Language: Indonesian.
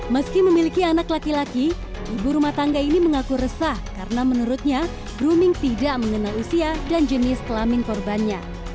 meski memiliki anak laki laki ibu rumah tangga ini mengaku resah karena menurutnya brooming tidak mengenal usia dan jenis kelamin korbannya